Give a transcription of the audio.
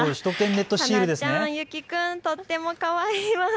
さなちゃん、ゆき君、とってもかわいいワン。